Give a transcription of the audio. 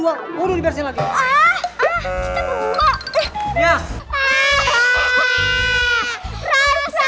pokoknya saya mau tahu kalian berdua